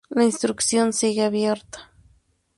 La instrucción sigue abierta.